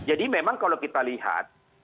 memang kalau kita lihat